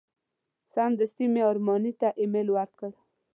سمدستي مې ارماني ته ایمیل ورکړ.